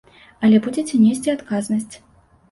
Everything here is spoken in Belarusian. Але будзеце несці адказнасць.